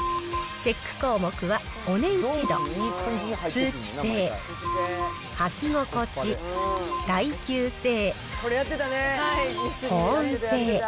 チェック項目はお値打ち度、通気性、履き心地、耐久性、保温性。